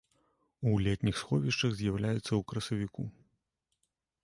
У летніх сховішчах з'яўляецца ў красавіку.